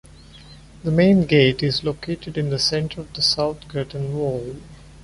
The main gate is located in the center of the south curtain wall.